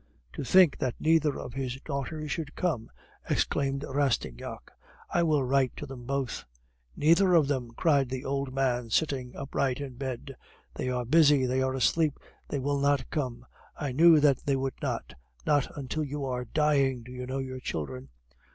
"To think that neither of his daughters should come!" exclaimed Rastignac. "I will write to them both." "Neither of them!" cried the old man, sitting upright in bed. "They are busy, they are asleep, they will not come! I knew that they would not. Not until you are dying do you know your children....